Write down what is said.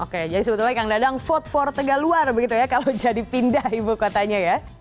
oke jadi sebetulnya kang dadang vote for tegaluar begitu ya kalau jadi pindah ibu kotanya ya